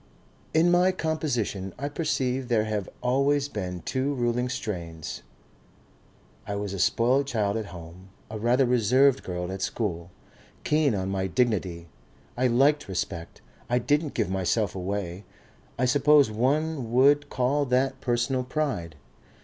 "In my composition I perceive there have always been two ruling strains. I was a spoilt child at home, a rather reserved girl at school, keen on my dignity. I liked respect. I didn't give myself away. I suppose one would call that personal pride.